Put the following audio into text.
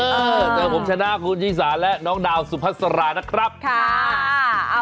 เจอผมชนะคุณชิสาและน้องดาวสุพัสรานะครับค่ะ